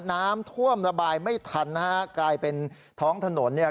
น้ำท่วมระบายไม่ทันนะฮะกลายเป็นท้องถนนเนี่ย